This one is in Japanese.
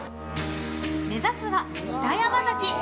目指すは北山崎。